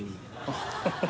ハハハ